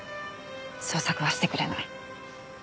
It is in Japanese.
捜索はしてくれない。